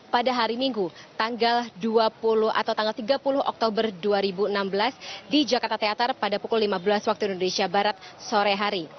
pada hari minggu tanggal dua puluh atau tanggal tiga puluh oktober dua ribu enam belas di jakarta teater pada pukul lima belas waktu indonesia barat sore hari